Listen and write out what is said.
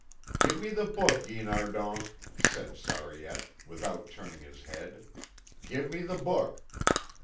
"Give me the book, Guinardon," said Sariette, without turning his head; "give me the book."